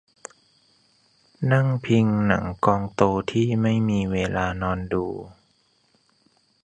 นั่งพิงหนังกองโตที่ไม่มีเวลานอนดู